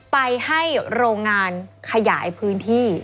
ไปให้โรงงานขยายพื้นที่